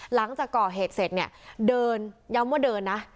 หลังจากก่อเหตุเสร็จเนี่ยเดินย้ำว่าเดินนะ